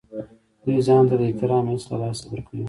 دوی ځان ته د احترام حس له لاسه ورکوي.